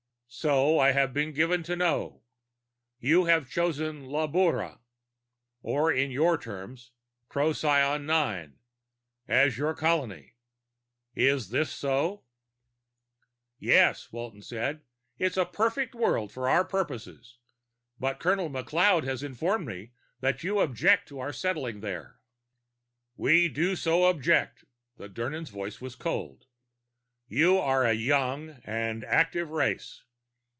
"So I have been given to know. You have chosen Labura or, in your terms, Procyon VIII as your colony. Is this so?" "Yes," Walton said. "It's a perfect world for our purposes. But Colonel McLeod has informed me that you object to our settling there." "We do so object." The Dirnan's voice was cold. "You are a young and active race.